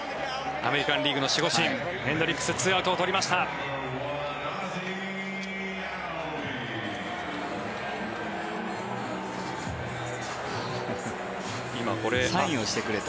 アメリカン・リーグの守護神、ヘンドリックス２アウトを取りました。